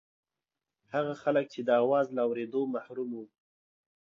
هغه خلک چې د اواز له اورېدو محروم وو.